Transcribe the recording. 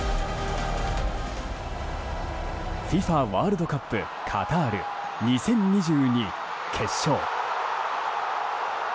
ＦＩＦＡワールドカップカタール２０２２決勝。